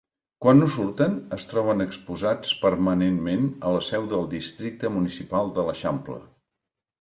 Quan no surten, es troben exposats permanentment a la seu del Districte Municipal de l'Eixample.